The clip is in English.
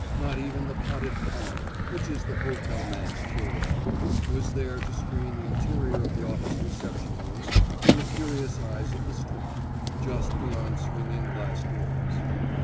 Not even the potted palm, which is the hotel man's cure all, was there to screen the interior of the office reception room from the curious eyes of the street, just beyond swinging glass doors.